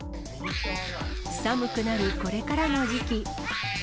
寒くなるこれからの時期。